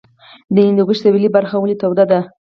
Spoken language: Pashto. د هندوکش سویلي برخه ولې توده ده؟